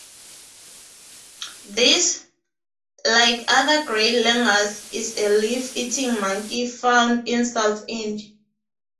This, like other gray langurs, is a leaf-eating monkey found in south India.